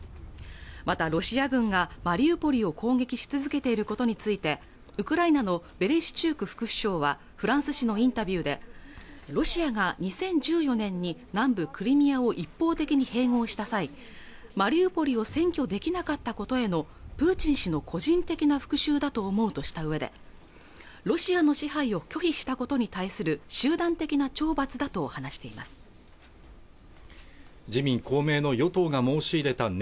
またロシア軍がマリウポリを攻撃し続けていることについてウクライナのベレシチューク副首相はフランス紙のインタビューでロシアが２０１４年に南部クリミアを一方的に併合した際マリウポリを占拠できなかったことへのプーチン氏の個人的な復讐だと思うとしたうえでロシアの支配を拒否したことに対する集団的な懲罰だと話しています自民公明の与党が申し入れた